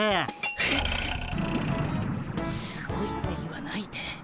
えすごいって言わないで。